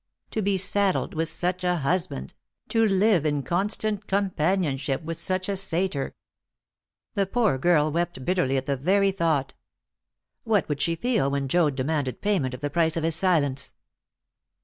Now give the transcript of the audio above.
To be saddled with such a husband! to live in constant companionship with such a satyr! The poor girl wept bitterly at the very thought. What would she feel when Joad demanded payment of the price of his silence?